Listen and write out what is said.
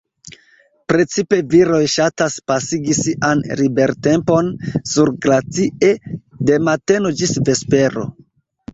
Precipe viroj ŝatas pasigi sian libertempon surglacie, de mateno ĝis vespero.